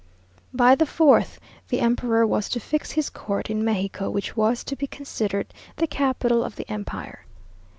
By the fourth, the emperor was to fix his court in Mexico, which was to be considered the capital of the empire.